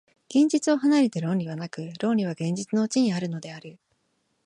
現実を離れて論理はなく、論理は現実のうちにあるのである。